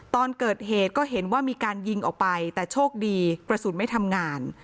ตอนเกิดเหตุก็เห็นว่ามีการยิงออกไปแต่โชคดีกระสุนไม่ทำงาน